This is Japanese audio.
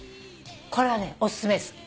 これはねおすすめです。